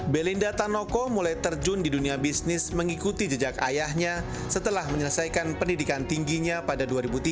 belinda tanoko mulai terjun di dunia bisnis mengikuti jejak ayahnya setelah menyelesaikan pendidikan tingginya pada dua ribu tiga